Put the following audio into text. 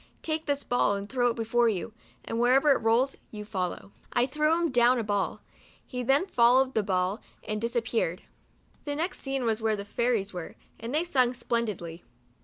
Take this ball and throw it before you, and wher ever it rolls, you follow." I threw him down a ball. He then followed the ball, and disappeared. The next scene was, where the " Fairies " were, and they sung splen didly.